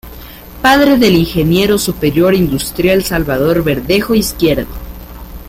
Padre del Ingeniero Superior Industrial Salvador Verdejo Izquierdo.